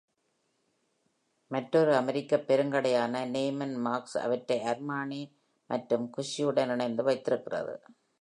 மற்றொரு அமெரிக்கப் பெருங்கடையான நெய்மன் மார்கஸ், அவற்றை அர்மானி மற்றும் குஸ்ஸியுடன் இணைந்து வைத்திருந்திருக்கிறது.